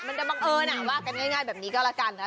เออนะว่ากันง่ายแบบนี้ก็ละกันนะ